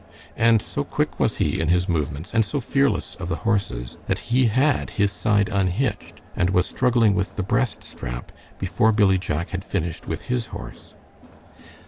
And so quick was he in his movements, and so fearless of the horses, that he had his side unhitched and was struggling with the breast strap before Billy Jack had finished with his horse.